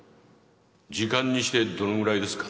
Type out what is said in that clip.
時間にしてどのぐらいですか？